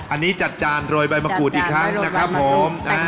อันนี้จัดจานโรยใบมะกรูดอีกครั้งนะครับผม